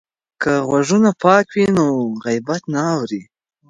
که غوږونه پاک وي نو غیبت نه اوري.